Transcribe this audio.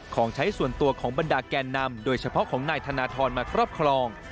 ของใช้ส่วนตัวของบรรดาแกนนำโดยเฉพาะของนายธนทรมาครอบครอง